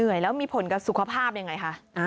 เหนื่อยแล้วมีผลกับสุขภาพยังไงคะ